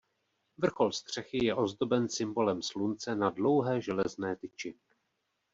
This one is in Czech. Vrchol střechy je ozdoben symbolem slunce na dlouhé železné tyči.